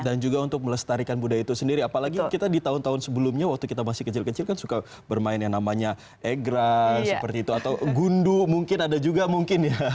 dan juga untuk melestarikan budaya itu sendiri apalagi kita di tahun tahun sebelumnya waktu kita masih kecil kecil kan suka bermain yang namanya egrang seperti itu atau gundu mungkin ada juga mungkin ya